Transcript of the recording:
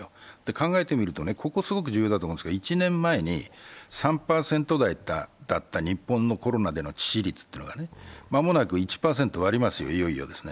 考えてみると、ここはすごく重要だと思うんですが、１年前に３％だった日本のコロナでの致死率というのが、間もなく１％を割りますよ、いよいよですね。